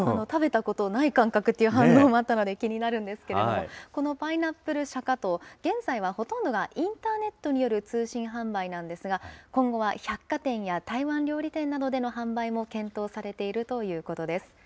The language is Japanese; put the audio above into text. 食べたことない感覚っていう反応があったので、気になるんですけれども、このパイナップルシャカトウ、現在はほとんどがインターネットによる通信販売なんですが、今後は百貨店や台湾料理店などでの販売も検討されているということです。